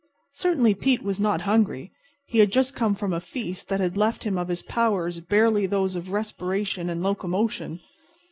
Certainly Pete was not hungry. He had just come from a feast that had left him of his powers barely those of respiration and locomotion.